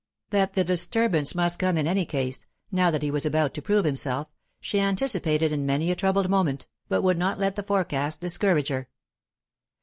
That the disturbance must come in any case, now that he was about to prove himself, she anticipated in many a troubled moment, but would not let the forecast discourage her.